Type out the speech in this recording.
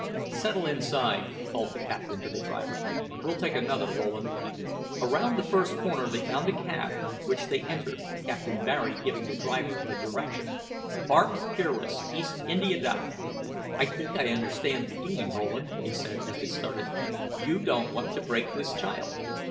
"Settle inside," called the captain to the driver. "We'll take another, Rowland." Around the first corner they found a cab, which they entered, Captain Barry giving the driver the direction "Bark Peerless, East India Dock." "I think I understand the game, Rowland," he said, as they started; "you don't want to break this child."